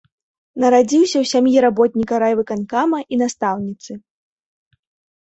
Нарадзіўся ў сям'і работніка райвыканкама і настаўніцы.